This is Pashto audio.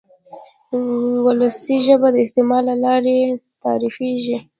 وولسي ژبه د استعمال له لارې تعریفېږي.